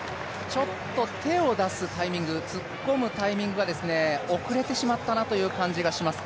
ちょっと手を出すタイミング、突っ込むタイミングが遅れてしまったなという感じがします。